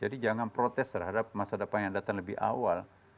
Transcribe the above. jadi jangan protes terhadap masa depan yang datang lebih awal